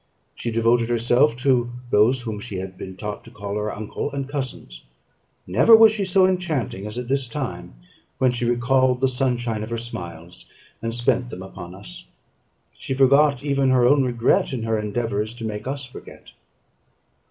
She devoted herself to those whom she had been taught to call her uncle and cousins. Never was she so enchanting as at this time, when she recalled the sunshine of her smiles and spent them upon us. She forgot even her own regret in her endeavours to make us forget.